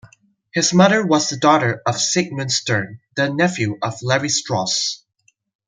His mother was the daughter of Sigmund Stern, the nephew of Levi Strauss.